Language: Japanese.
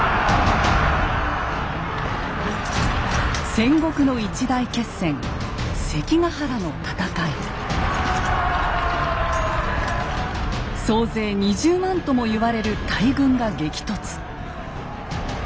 戦国の一大決戦総勢２０万とも言われる大軍が激突。